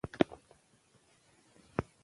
ماشومان د مور په پالنه وده مومي.